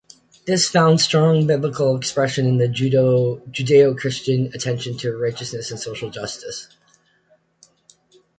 This found strong biblical expression in the Judeo-Christian attention to righteousness and social justice.